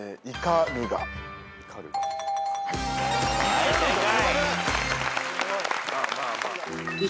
はい正解。